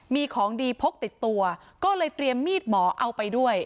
มีของดีพกติดตัวก็เลยเตรียมมีดหมอเอาไปด้วย